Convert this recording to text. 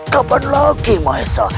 kapan lagi mahesa